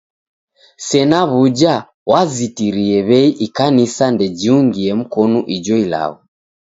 Sena w'uja, wazitirie w'ei ikanisa ndejiungie mkonu ijo ilagho.